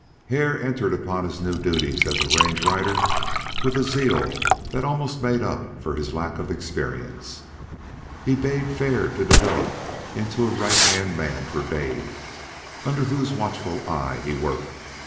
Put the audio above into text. Hare entered upon his new duties as a range rider with a zeal that almost made up for his lack of experience; he bade fair to develop into a right hand man for Dave, under whose watchful eye he worked.